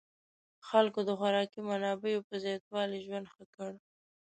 خلکو د خوراکي منابعو په زیاتوالي ژوند ښه کړ.